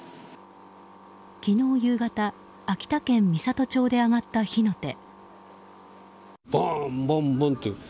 昨日夕方秋田県美郷町で上がった火の手。